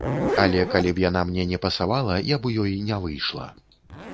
Але калі б яна мне не пасавала, я б у ёй не выйшла.